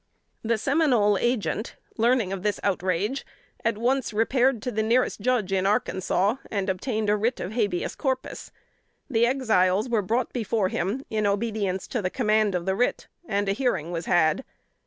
] The Seminole Agent, learning the outrage, at once repaired to the nearest Judge in Arkansas, and obtained a writ of habeas corpus. The Exiles were brought before him in obedience to the command of the writ, and a hearing was had.